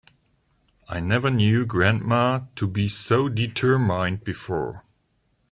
I never knew grandma to be so determined before.